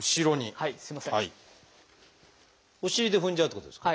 はい。